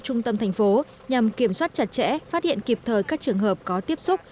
trung tâm thành phố nhằm kiểm soát chặt chẽ phát hiện kịp thời các trường hợp có tiếp xúc